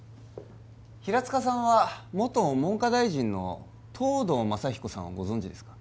平塚さんは元文科大臣の藤堂正彦さんをご存じですか？